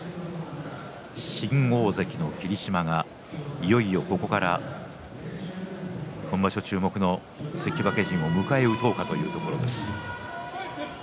新大関の霧島がいよいよここから今場所注目の関脇陣を迎えようかというところです。